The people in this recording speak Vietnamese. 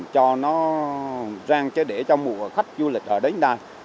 cho nó rang chứ để cho mùa khách du lịch ở đến đây